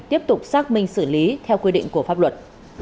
tiếp tục xác minh xử lý theo quy định của pháp luật